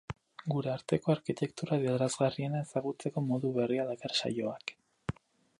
Gure arteko arkitektura adierazgarriena ezagutzeko modu berria dakar saioak.